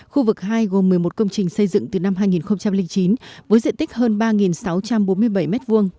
khu vực hai gồm một mươi một công trình xây dựng từ năm hai nghìn chín với diện tích hơn ba sáu trăm bốn mươi bảy m hai